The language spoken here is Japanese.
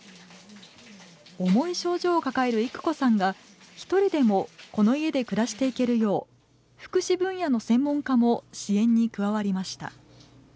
重い症状を抱える育子さんが１人でもこの家で暮らしていけるよう福祉分野の専門家も支援に加わりました。